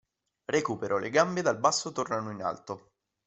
Recupero: Le gambe dal basso tornano in alto.